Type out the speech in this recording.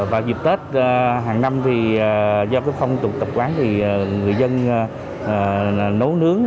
vào dịp tết hàng năm thì do cái phong tục tập quán thì người dân nấu nướng